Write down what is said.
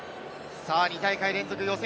２大会連続予選